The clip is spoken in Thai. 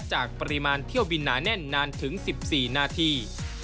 จากปริมาณเที่ยวบินหนาแน่นนานถึง๑๔นาที